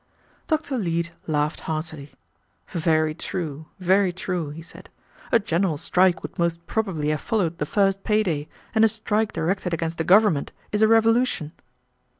Dr. Leete laughed heartily. "Very true, very true," he said, "a general strike would most probably have followed the first pay day, and a strike directed against a government is a revolution."